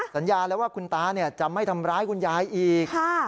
สัญญาแล้วว่าคุณตาจะไม่ทำร้ายคุณยายอีก